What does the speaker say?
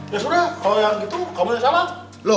ya sudah kalau yang gitu kamu yang salah